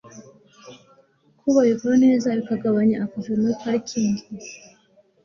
ko bayikora neza bikagabanya akavuyo muri parikingi